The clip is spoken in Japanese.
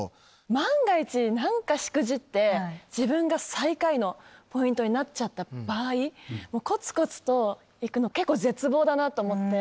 万が一何かしくじって自分が最下位のポイントになっちゃった場合コツコツと行くの結構絶望だなと思って。